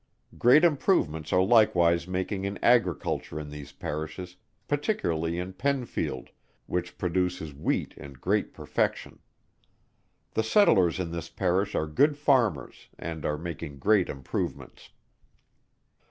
Great improvements are likewise making in Agriculture in these Parishes, particularly in Pennfield, which produces wheat in great perfection. The settlers in this Parish are good farmers, and are making great improvements.